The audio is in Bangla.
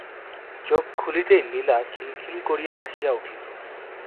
চোখ খুলিতেই লীলা খিলখিল করিয়া হাসিয়া উঠিল।